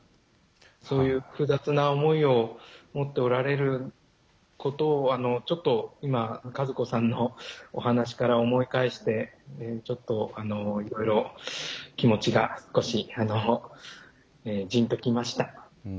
そういう複雑な思いを持っておられることをちょっと今、和子さんのお話から思い返してちょっと、いろいろ気持ちが少しじーんときました。